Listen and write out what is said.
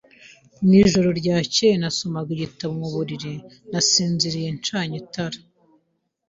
Mu ijoro ryakeye, nasomaga igitabo mu buriri, nasinziriye ncanye itara.